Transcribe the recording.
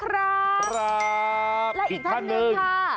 ครับอีกท่าน๑ค่ะคือครับอีกท่าน๑ค่ะ